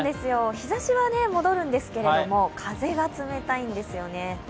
日ざしは戻るんですけれども風が冷たいんですよね。